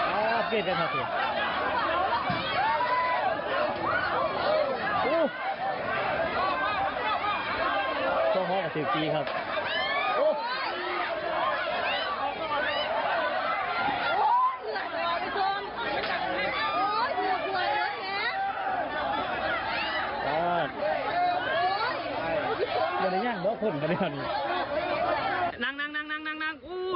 โห้ยเะี่ยวมีมูลดู